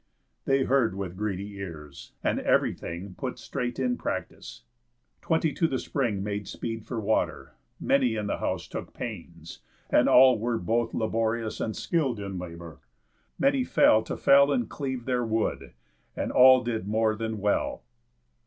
They heard with greedy ears, and ev'rything Put straight in practice. Twenty to the spring Made speed for water; many in the house Took pains; and all were both laborious And skill'd in labour; many fell to fell And cleave their wood; and all did more than well.